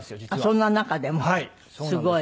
あっそんな中でも。